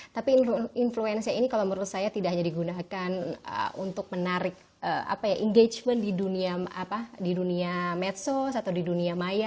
tapi influence nya ini kalau menurut saya tidak hanya digunakan untuk menarik engagement di dunia medsos atau di dunia maya